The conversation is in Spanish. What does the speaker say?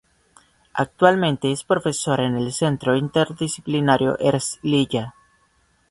Actualmente es profesor en el Centro Interdisciplinario Herzliya.